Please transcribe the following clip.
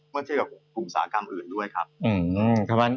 เมื่อเทียบกับภูมิสากรรมอื่นด้วยครับ